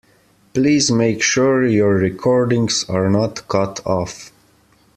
Please make sure your recordings are not cut off.